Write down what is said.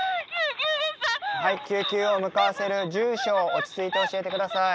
はい救急を向かわせる住所を落ち着いて教えて下さい。